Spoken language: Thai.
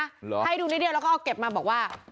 เหรอให้ดูนิดเดียวแล้วก็เอาเก็บมาบอกว่า